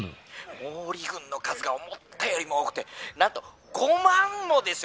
「毛利軍の数が思ったよりも多くてなんと５万もですよ！